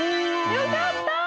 よかった。